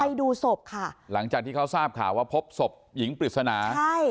ไปดูศพค่ะหลังจากที่เขาทราบข่าวว่าพบศพหญิงปริศนาใช่